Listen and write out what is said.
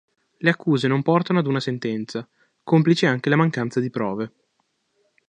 Le accuse non portano ad una sentenza, complice anche la mancanza di prove.